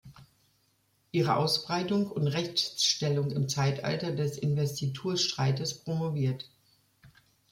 Ihre Ausbreitung und Rechtsstellung im Zeitalter des Investiturstreites" promoviert.